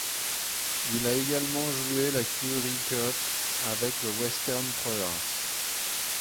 Il a également joué la Currie Cup avec le Western Province.